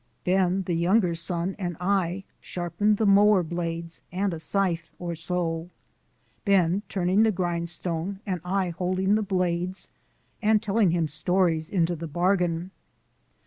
Ben, the younger son, and I sharpened mower blades and a scythe or so, Ben turning the grindstone and I holding the blades and telling him stories into the bargain.